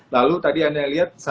lalu tadi anda lihat sama sekali